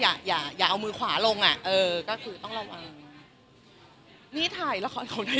อย่าอย่าเอามือขวาลงอ่ะเออก็คือต้องระวังนี่ถ่ายละครเขาได้